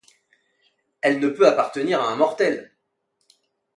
Elle ne peut appartenir à un mortel !